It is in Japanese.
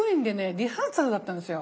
リハーサルだったんですよ。